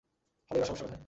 হলেই বা সমস্যা কোথায়?